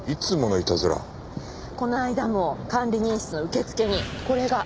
この間も管理人室の受付にこれが。